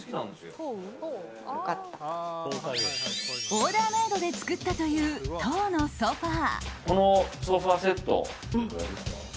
オーダーメイドで作ったというトウのソファ。